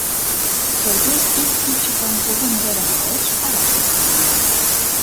Сергей ик кӱпчыкым, кугу мыжерым налеш, аваж дек намия.